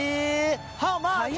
ハウマッチ。